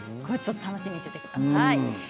楽しみにしていてください。